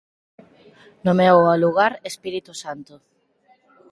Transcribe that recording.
Nomeou ao lugar "Espírito Santo".